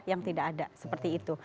yang tidak ada seperti itu